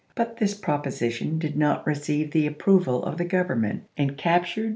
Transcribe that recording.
But this proposition did not receive the approval of the Government, and captured and Vol.